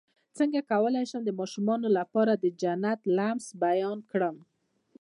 څنګه کولی شم د ماشومانو لپاره د جنت د لمس بیان کړم